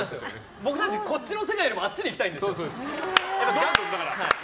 僕たちこっちの世界よりもあっちに行きたいんです。